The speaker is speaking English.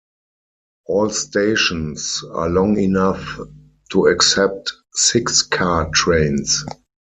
All stations are long enough to accept six-car trains.